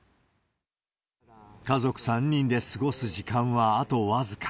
家族３人で過ごす時間はあと僅か。